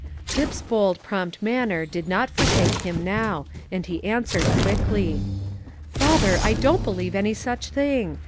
Tip's bold, prompt manner did not forsake him now; he answered quickly, "Father, I don't believe any such thing.